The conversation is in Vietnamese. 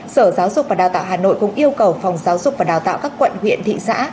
sở giáo dục và đào tạo hà nội cũng yêu cầu phòng giáo dục và đào tạo các quận huyện thị xã